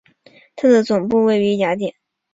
它的总部位于雅典。